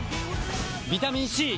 ビタミン Ｃ！